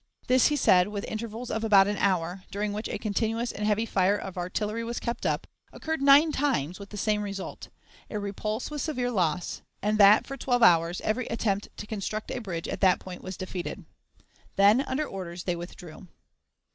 This, he said, with intervals of about an hour, during which a continuous and heavy fire of artillery was kept up, occurred nine times, with the same result a repulse with severe loss; and that, for twelve hours, every attempt to construct a bridge at that point was defeated. Then, under orders, they withdrew.